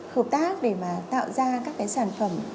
hợp tác để mà tạo ra các cái sản phẩm